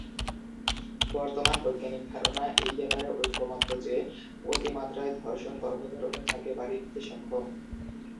বর্তমান বৈজ্ঞানিক ধারণা এই ব্যাপারে ঐকমত্য যে অতিমাত্রায় ধর্ষণ গর্ভধারণের হারকে বাড়িয়ে দিতে সক্ষম।